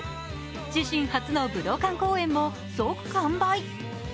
自身初の武道館公演も即完売。